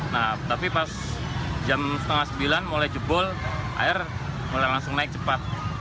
nah tapi pas jam setengah sembilan mulai jebol air mulai langsung naik cepat